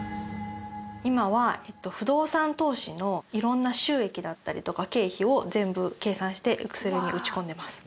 今は不動産投資の色んな収益だったりとか経費を全部計算してエクセルに打ち込んでます。